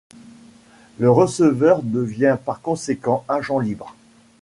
Le receveur devient par conséquent agent libre.